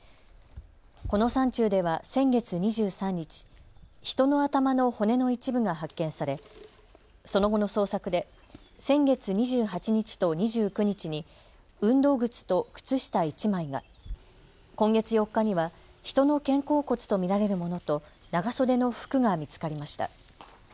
この山中では先月２３日、人の頭の骨の一部が発見されその後の捜索で先月２８日と２９日に運動靴と靴下１枚が、今月４日には人の肩甲骨と見られるものと長袖の服が見つかりました。